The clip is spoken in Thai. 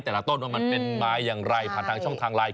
แต่ละต้นว่ามันเป็นมาอย่างไรผ่านทางช่องทางไลน์